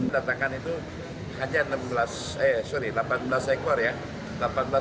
datakan itu hanya delapan belas ekor ya